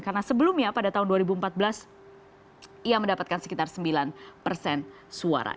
karena sebelumnya pada tahun dua ribu empat belas ia mendapatkan sekitar sembilan persen suara